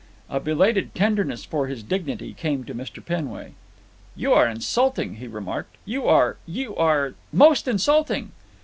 A belated tenderness for his dignity came to Mr. Penway. "You are insulting," he remarked. "You are—you are—most insulting."